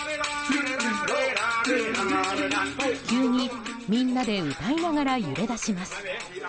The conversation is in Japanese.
急にみんなで歌いながら揺れ出します。